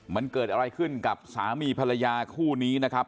มันเกิดอะไรขึ้นกับสามีภรรยาคู่นี้นะครับ